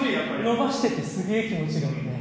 伸ばしててすげえ気持ちがいいね。